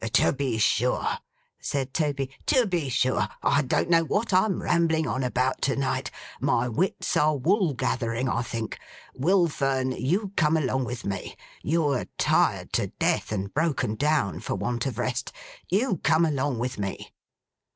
'To be sure,' said Toby. 'To be sure! I don't know what I'm rambling on about, to night. My wits are wool gathering, I think. Will Fern, you come along with me. You're tired to death, and broken down for want of rest. You come along with me.